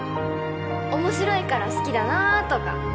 面白いから好きだなとか